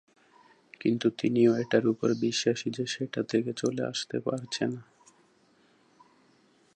কিন্তু তিনিও এটার উপর বিশ্বাসী যে সেটা থেকে চলে আসতে পারছে না।